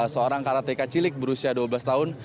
seorang karateka cilik berusia dua belas tahun